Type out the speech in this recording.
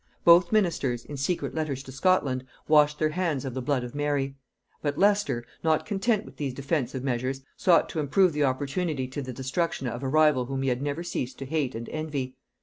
Both ministers, in secret letters to Scotland, washed their hands of the blood of Mary. But Leicester, not content with these defensive measures, sought to improve the opportunity to the destruction of a rival whom he had never ceased to hate and envy.